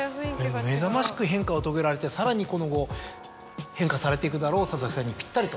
目覚ましく変化を遂げられてさらに今後変化されていくであろう佐々木さんにぴったりと。